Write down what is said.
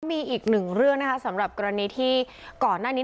มีอีกหนึ่งเรื่องนะคะสำหรับกรณีที่ก่อนหน้านี้